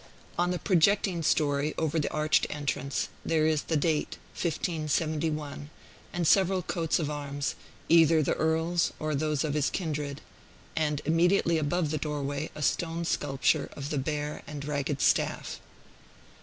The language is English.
On the projecting story, over the arched entrance, there is the date, 1571, and several coats of arms, either the Earl's or those of his kindred, and immediately above the doorway a stone sculpture of the Bear and Ragged Staff.